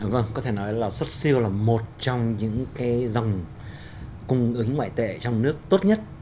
vâng có thể nói là xuất siêu là một trong những cái dòng cung ứng ngoại tệ trong nước tốt nhất